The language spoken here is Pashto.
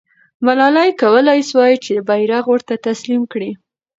ملالۍ کولای سوای چې بیرغ ورته تسلیم کړي.